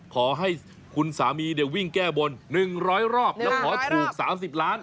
ขอให้คุณสามีเดี๋ยววิ่งแก้บนหนึ่งร้อยรอบแล้วขอถูกสามสิบล้าน